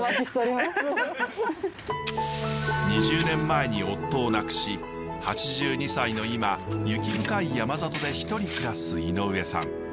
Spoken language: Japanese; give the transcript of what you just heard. ２０年前に夫を亡くし８２歳の今雪深い山里で一人暮らす井上さん。